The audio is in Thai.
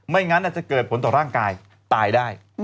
งั้นอาจจะเกิดผลต่อร่างกายตายได้